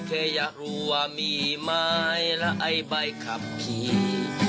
แค่อยากรู้ว่ามีไม้และไอ้ใบขับขี่